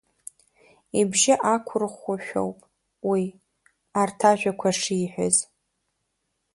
Ибжьы ақәырӷәӷәашәа ауп, уи, арҭ ажәақәа шиҳәаз.